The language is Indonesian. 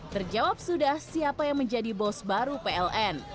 terjawab sudah siapa yang menjadi bos baru pln